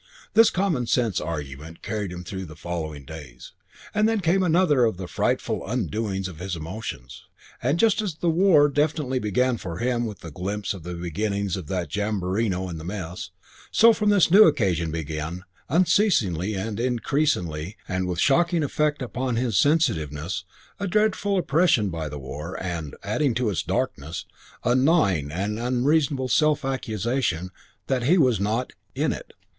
VII This "common sense" argument carried him through following days; then came another of the frightful undoings of his emotions; and just as the war definitely began for him with the glimpse of the beginnings of that "jamborino" in the Mess, so from this new occasion began, unceasingly and increasingly, and with shocking effect upon his sensitiveness, a dreadful oppression by the war and, adding to its darkness, a gnawing and unreasonable self accusation that he was not "in it."